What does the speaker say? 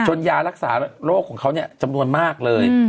โทษฉนึนยารักษารโรคของเขาจำนวนมากเลย